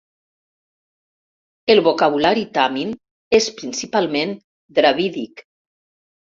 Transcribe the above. El vocabulari tàmil és principalment dravídic.